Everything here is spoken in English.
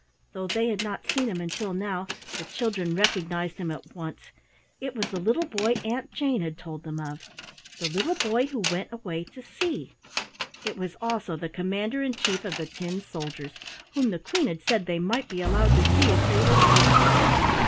Though they had not seen him until now, the children recognized him at once. It was the little boy Aunt Jane had told them of the Little Boy who Went Away to Sea. It was also the Commander in Chief of the tin soldiers, whom the Queen had said they might be allowed to see, if they were good.